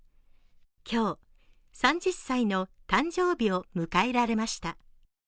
今日、３０歳の誕生日を迎えられました。